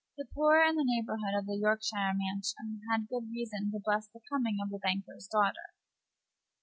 The poor in the neighborhood of the Yorkshire mansion had good reason to bless the coming of the banker's daughter.